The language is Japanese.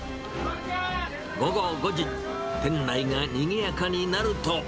午後５時、店内がにぎやかになると。